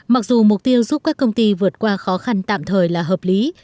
mặc dù mục tiêu giúp các công ty vượt qua khó khăn tạm thời là hợp lý